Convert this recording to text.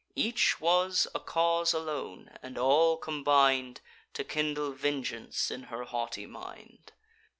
Each was a cause alone; and all combin'd To kindle vengeance in her haughty mind.